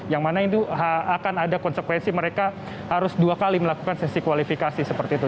yang mana itu akan ada konsekuensi mereka harus dua kali melakukan sesi kualifikasi seperti itu